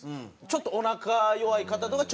ちょっとおなか弱い方とか。